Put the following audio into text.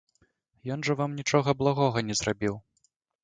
Ён жа вам нічога благога не зрабіў.